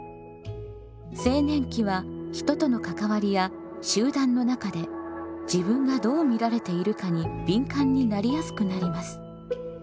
青年期は人との関わりや集団の中で自分がどう見られているかに敏感になりやすくなります。